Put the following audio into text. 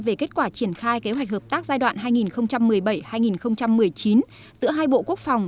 về kết quả triển khai kế hoạch hợp tác giai đoạn hai nghìn một mươi bảy hai nghìn một mươi chín giữa hai bộ quốc phòng